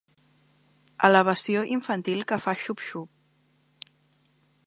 Elevació infantil que fa xup xup.